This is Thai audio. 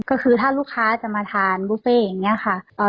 ก็คือถ้าลูกค้าจะมาทานบุฟเฟ่อย่างนี้ค่ะ